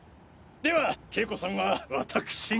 では景子さんは私が。